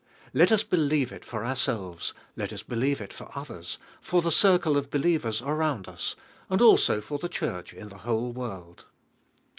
Let us believe it for ourselves, let as believe it for oth era, for 6he circle of believers around us, and also for the Ohurch in the whole world.